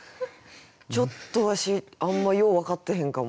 ちょっとわしあんまよう分かってへんかも。